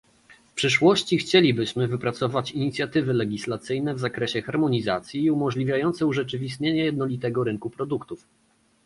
W przyszłości chcielibyśmy wypracować inicjatywy legislacyjne w zakresie harmonizacji, umożliwiające urzeczywistnienie jednolitego rynku produktów